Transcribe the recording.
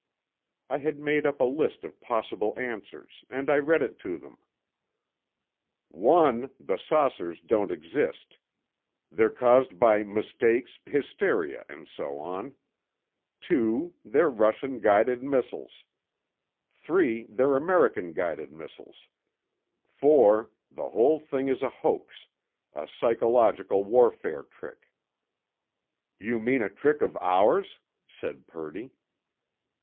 I had made up a list of possible answers, and I read it to them: "One, the saucers don't exist. They're caused by mistakes, hysteria, and so on. Two, they're Russian guided missiles. Three, they're American guided missiles. Four, the whole thing is a hoax, a psychological warfare trick." "You mean a trick of ours?" said Purdy.